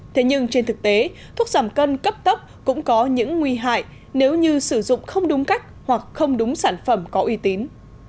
thế nhưng trên thực tế thuốc giảm cân cấp tốc cũng có những nguy hại nếu như sử dụng không đúng cách hoặc không đúng sản phẩm có uy tín